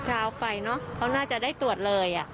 ช้าไปเขาน่าจะได้ตรวจเลย